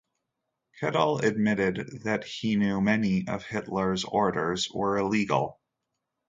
Keitel admitted that he knew many of Hitler's orders were illegal.